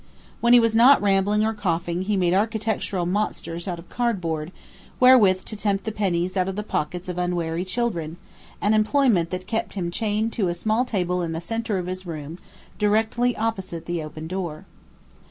When he was not rambling or coughing he made architectural monsters out of cardboard, wherewith to tempt the pennies out of the pockets of unwary children, an employment that kept him chained to a small table in the centre of his room directly opposite the open door.